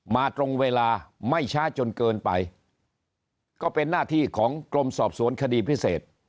ตรงเวลาไม่ช้าจนเกินไปก็เป็นหน้าที่ของกรมสอบสวนคดีพิเศษ